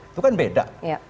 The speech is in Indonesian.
itu kan beda